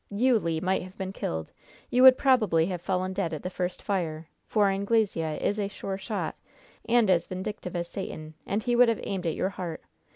You, Le, might have been killed. You would probably have fallen dead at the first fire, for Anglesea is a sure shot, and as vindictive as Satan, and he would have aimed at your heart.